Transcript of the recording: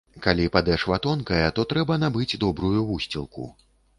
Калі падэшва тонкая, то трэба набыць добрую вусцілку.